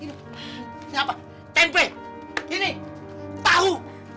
ini siapa tempe ini tahu